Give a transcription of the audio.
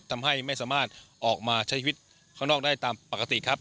ทำให้ไม่สามารถออกมาใช้ชีวิตข้างนอกได้ตามปกติครับ